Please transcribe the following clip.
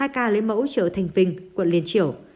hai ca lấy mẫu chợ thành vinh quận liên triều